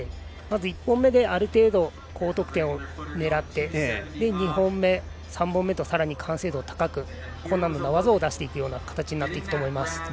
まず、１本目である程度高得点を狙って２本目、３本目とさらに完成度を高く高難度の技を出していくような形になっていくと思います。